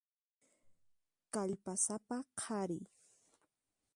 Kallpasapa qhari.